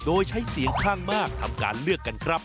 โดยใช้เสียงข้างมากทำการเลือกกันครับ